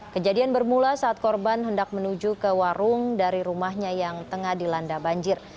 kejadian bermula saat korban hendak menuju ke warung dari rumahnya yang tengah dilanda banjir